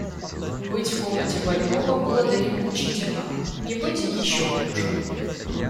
Быть в комнате больного было для него мучительно, не быть еще хуже.